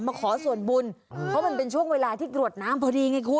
มาขอส่วนบุญเพราะมันเป็นช่วงเวลาที่กรวดน้ำพอดีไงคุณ